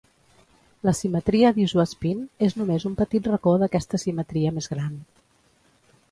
La simetria d'isoespín és només un petit racó d'aquesta simetria més gran.